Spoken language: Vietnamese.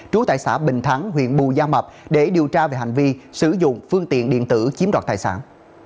trú tại xã bình thắng huyện bù gia mập để điều tra về hành vi sử dụng phương tiện điện tử chiếm đoạt tài sản